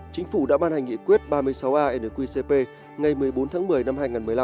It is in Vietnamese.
chính phủ đã ban hành nghị quyết ba mươi sáu a nqcp ngày một mươi bốn tháng một mươi năm hai nghìn một mươi năm